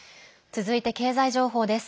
続いて経済情報です。